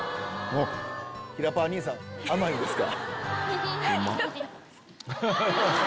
ひらパー兄さん甘いんですか？